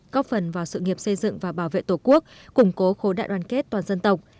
góp phần vào sự nghiệp xây dựng và bảo vệ tổ quốc củng cố khối đại đoàn kết toàn dân tộc